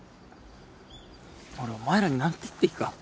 俺お前らに何て言っていいか。